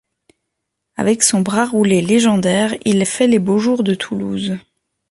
Avec son bras roulé légendaire, il fait les beaux jours de Toulouse.